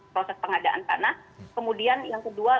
proses pengadaan tanah kemudian yang kedua